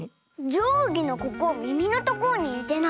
じょうぎのここみみのところににてない？